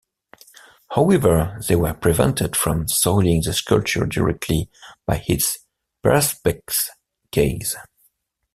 However, they were prevented from soiling the sculpture directly by its Perspex case.